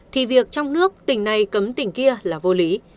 thì việc trong nước tỉnh này cấm tỉnh kia là vô lý